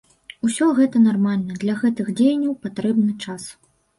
Усё гэта нармальна, для гэтых дзеянняў патрэбны час.